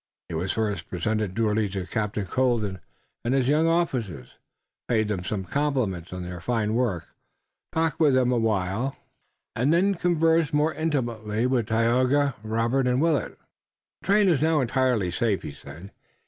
He was first presented duly to Captain Colden and his young officers, paid them some compliments on their fine work, talked with them a while and then conversed more intimately with Tayoga, Robert and Willet. "The train is now entirely safe," he said.